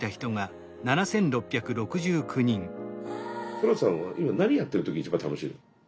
トラさんは今何やってる時一番楽しいの？